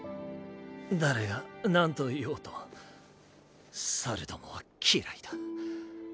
誰がなんと言おうと猿どもは嫌いだ。